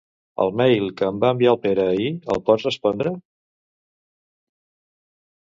El mail que em va enviar el Pere ahir, el pots respondre?